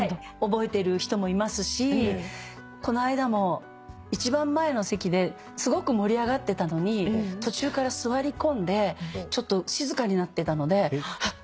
覚えてる人もいますしこの間も一番前の席ですごく盛り上がってたのに途中から座り込んでちょっと静かになってたのでえっ？